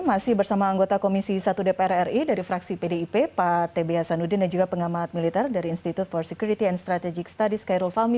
masih bersama anggota komisi satu dpr ri dari fraksi pdip pak tb hasanuddin dan juga pengamat militer dari institute for security and strategic studies kairul fahmi